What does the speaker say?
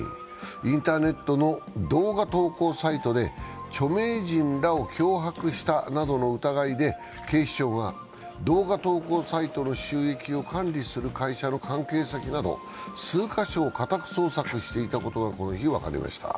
インターネットの動画投稿サイトで著名人らを脅迫したなどの疑いで警視庁が動画投稿サイトの収益を管理する会社の関係先など数か所を家宅捜索していたことがこの日、分かりました。